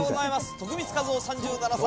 徳光和夫３７歳。